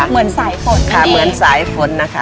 เหมือนสายฝนค่ะเหมือนสายฝนนะคะ